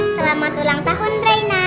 selamat ulang tahun reina